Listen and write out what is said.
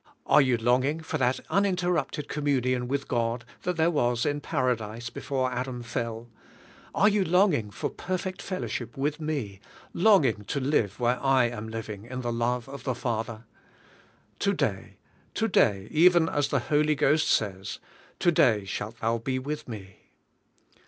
Are you longing for that uninterrupted communion with God that there was in Paradise before Adam fell? Are you longing for perfect fellowship with me, longing to live where I am living, in the love of the Father? To day, to day; even as the Holy Ghost says: *To day shalt thou be with me!'